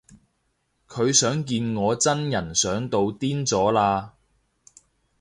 佢想見我真人想到癲咗喇